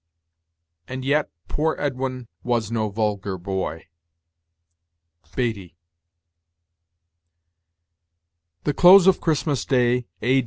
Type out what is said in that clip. "And yet, poor Edwin was no vulgar boy." Beattie. The close of Christmas Day, A.